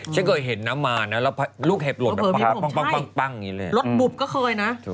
ฉันเคยเห็นน้ำมากลุ่มเห็นลดแบบปางรถบุบก็เคยนะ